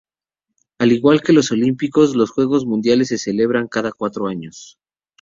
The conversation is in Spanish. Al igual que los Olímpicos, los Juegos Mundiales se celebran cada cuatro años.